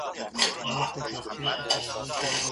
پرشتو د انسان درناوی وکړ او سجده يې وکړه.